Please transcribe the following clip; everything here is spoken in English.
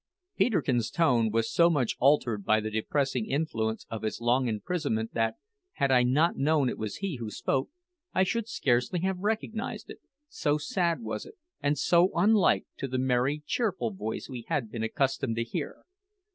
Peterkin's tone was so much altered by the depressing influence of his long imprisonment that, had I not known it was he who spoke, I should scarcely have recognised it, so sad was it, and so unlike to the merry, cheerful voice we had been accustomed to hear.